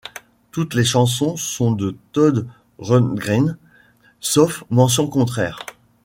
Toutes les chansons sont de Todd Rundgren, sauf mention contraire.